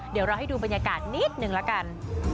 เดี๋ยวเราให้ดูบรรยากาศนิดนึงละกัน